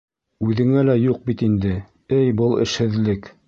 Үҙеңдә лә юҡ бит инде, эй, был эшһеҙлек.